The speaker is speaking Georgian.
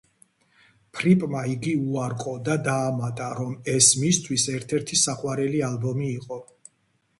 ფრიპმა იგი უარყო და დაამატა, რომ ეს მისთვის ერთ-ერთი საყვარელი ალბომი იყო.